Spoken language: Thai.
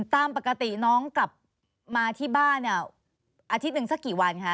ตามปกติน้องกลับมาที่บ้านเนี่ยอาทิตย์หนึ่งสักกี่วันคะ